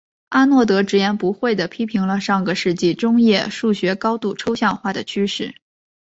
阿诺德直言不讳地批评了上个世纪中叶数学高度抽象化的趋势。